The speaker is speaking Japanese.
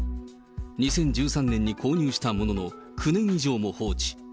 ２０１３年に購入したものの、９年以上も放置。